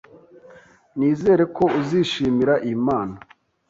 Nizere ko uzishimira iyi mpano